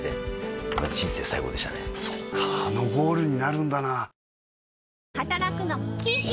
そっかあのゴールになるんだな働くの禁止！